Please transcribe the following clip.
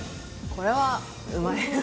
これはうまいわ。